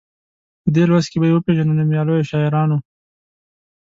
په دې لوست کې به یې وپيژنو نومیالیو شاعرانو.